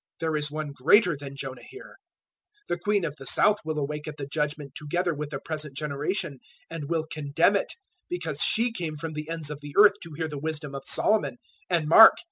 there is One greater than Jonah here. 012:042 The Queen of the south will awake at the Judgement together with the present generation, and will condemn it; because she came from the ends of the earth to hear the wisdom of Solomon, and mark!